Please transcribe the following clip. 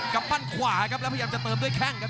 ปั้นขวาครับแล้วพยายามจะเติมด้วยแข้งครับ